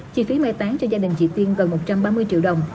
chỉ phí mê tán cho gia đình chị tiên gần một trăm ba mươi triệu đồng